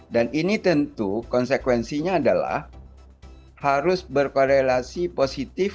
dan ini tentu konsekuensinya adalah harus berkorelasi positif